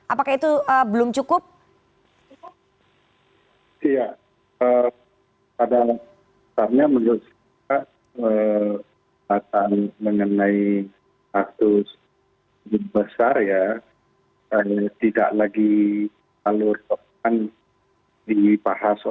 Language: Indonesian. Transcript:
apakah itu belum cukup